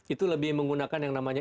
itu lebih menggunakan yang namanya